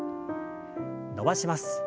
伸ばします。